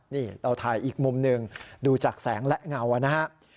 นี่เราถ่ายอีกมุมหนึ่งดูจากแสงและเงานะครับ